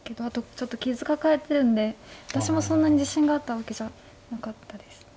あとちょっと傷抱えてるんで私もそんなに自信があったわけじゃなかったです。